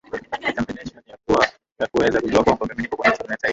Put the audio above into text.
determination ya kuweza kujua kwamba mimi niko kwenye timu ya taifa